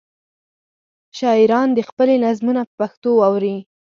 شاعران دې خپلې نظمونه په پښتو واوروي.